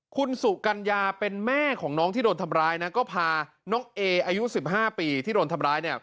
คุณสุกัญญาเป็นแม่ของน้องที่โดนทำร้ายนะก็พาน้องเออายุ๑๕ปีที่โดนทำร้ายเนี่ย